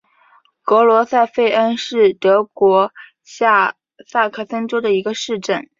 格罗塞费恩是德国下萨克森州的一个市镇。